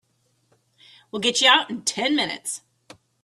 We'll get you out in ten minutes.